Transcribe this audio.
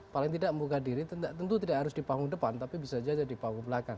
paling tidak membuka diri tentu tidak harus di panggung depan tapi bisa saja di panggung belakang